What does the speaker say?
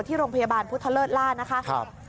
ที่โรงพยาบาลพุทธเลิศล่านะคะ